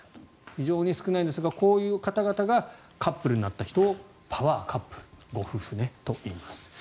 非常に少ないんですがこういう方々がカップルになった人をパワーカップルといいます。